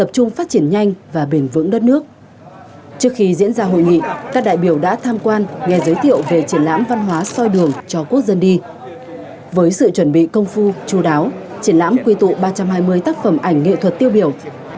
chú đáo triển lãm quy tụ ba trăm hai mươi tác phẩm ảnh nghệ thuật tiêu biểu